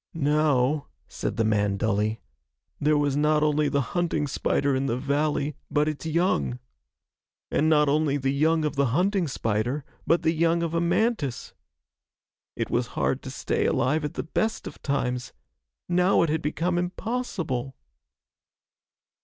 "Now," said the man dully, "there was not only the hunting spider in the valley, but its young. And not only the young of the hunting spider, but the young of a mantis ... It was hard to stay alive at the best of times. Now it had become impossible